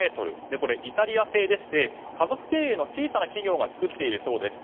イタリア製でして家族経営の小さな企業が作っているそうなんです。